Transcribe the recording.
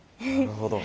なるほど。